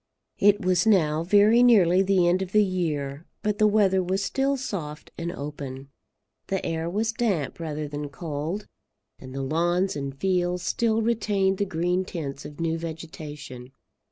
It was now very nearly the end of the year, but the weather was still soft and open. The air was damp rather than cold, and the lawns and fields still retained the green tints of new vegetation.